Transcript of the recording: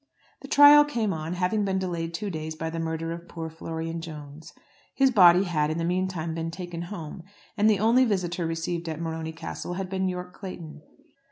The trial came on, having been delayed two days by the murder of poor Florian Jones. His body had, in the meantime, been taken home, and the only visitor received at Morony Castle had been Yorke Clayton.